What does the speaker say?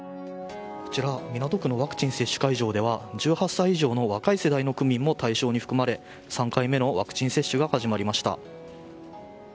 こちら、港区のワクチン接種会場ですが１８歳以上の若い世代の区民も対象に含まれ３回目のワクチン接種が始まりました。